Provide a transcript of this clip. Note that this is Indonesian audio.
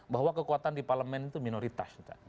bahwa kekuatan di parlemen itu minoritas